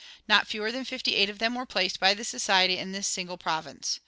Not fewer than fifty eight of them were placed by the society in this single province.